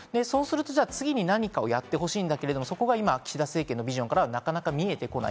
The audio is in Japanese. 次に何かをやってほしいんだけれど、そこが今、岸田政権のビジョンからはなかなか見えてこない。